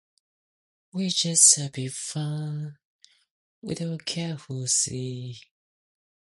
Luca Prodan was the lead singer of both bands.